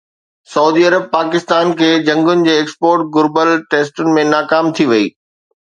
سعودي عرب پاڪستان کي جهنگن جي ايڪسپورٽ گهربل ٽيسٽن ۾ ناڪام ٿي وئي